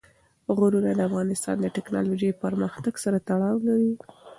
غرونه د افغانستان د تکنالوژۍ پرمختګ سره تړاو لري.